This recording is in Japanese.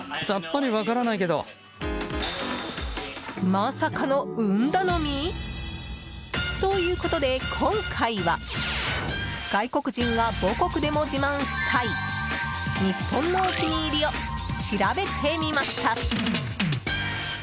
まさかの運頼み？ということで今回は外国人が母国でも自慢したい日本のお気に入りを調べてみました。